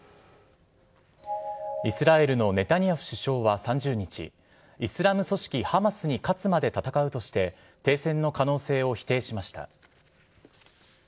イスラエルのネタニヤフ首相は３０日、イスラム組織ハマスに勝つまで戦うとして、停戦の可能性を否定しました。